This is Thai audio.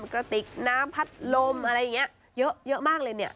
กระติกน้ำพัดลมอะไรอย่างนี้เยอะมากเลยเนี่ย